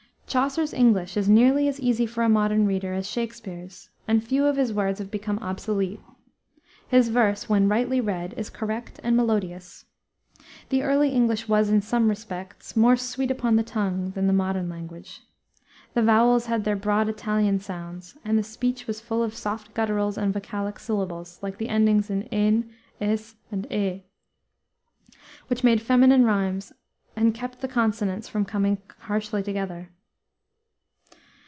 Chaucer's English is nearly as easy for a modern reader as Shakspere's, and few of his words have become obsolete. His verse, when rightly read, is correct and melodious. The early English was, in some respects, more "sweet upon the tongue" than the modern language. The vowels had their broad Italian sounds, and the speech was full of soft gutturals and vocalic syllables, like the endings ën, ës, and ë, which made feminine rhymes and kept the consonants from coming harshly together.